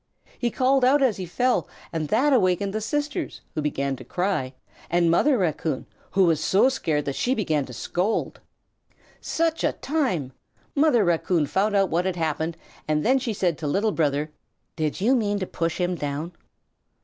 He called out as he fell, and that awakened the sisters, who began to cry, and Mother Raccoon, who was so scared that she began to scold. [Illustration: KNOCKED HIS BROTHER DOWN. Page 40] Such a time! Mother Raccoon found out what had happened, and then she said to Little Brother, "Did you mean to push him down?"